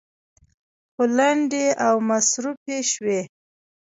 خو لنډې او مصروفې شوې.